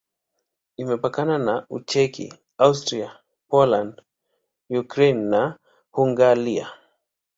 Imepakana na Ucheki, Austria, Poland, Ukraine na Hungaria.